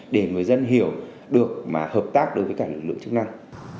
để người dân hiểu được mà hợp tác đối với cả lực lượng chức năng